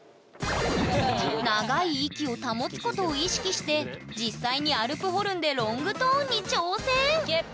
長い息を保つことを意識して実際にアルプホルンでロングトーンに挑戦！